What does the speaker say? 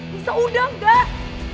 bisa udah gak